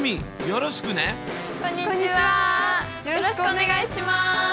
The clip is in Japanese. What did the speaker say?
よろしくお願いします！